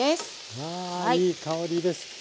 あいい香りです。